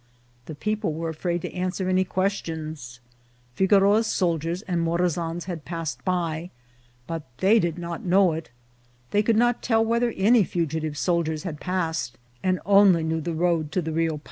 The people were afraid to answer any questions. Figoroa's soldiers and Morazan's had passed by, but they did not know it; they could not tell whether any fugitive soldiers had passed, and only knew the road to the Rio Paz.